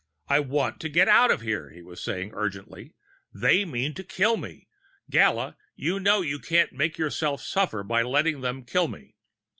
"I want to get out of here," he was saying urgently. "They mean to kill me. Gala, you know you can't make yourself suffer by letting them kill me!"